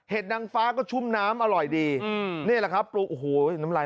นางฟ้าก็ชุ่มน้ำอร่อยดีอืมนี่แหละครับปรุงโอ้โหน้ำลาย